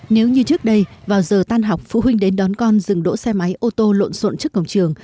nếu như trước đây vào giờ tan học phụ huynh đến đón con dừng đỗ xe máy ô tô lộn xộn trước cổng trường